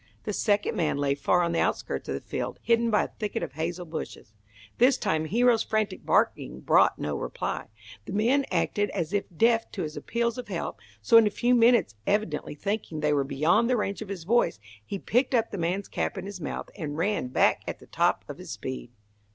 The second man lay far on the outskirts of the field, hidden by a thicket of hazel bushes. This time Hero's frantic barking brought no reply. The men acted as if deaf to his appeals of help, so in a few minutes, evidently thinking they were beyond the range of his voice, he picked up the man's cap in his mouth, and ran back at the top of his speed.